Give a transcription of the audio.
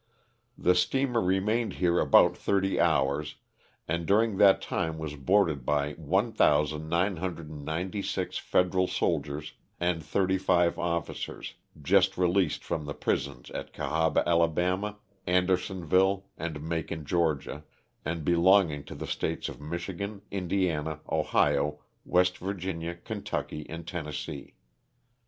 The steamer remained here about thirty hours, and during that time was boarded by 1,996 federal soldiers and 35 officers — just released from the prisons at Ca haba, Ala., Anderson ville and Macon, Ga., and belong ing to the States of Michigan, Indiana, Ohio, West Virginia, Kentucky and Tennessee.